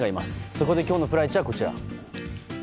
そこで今日のプライチはこちら。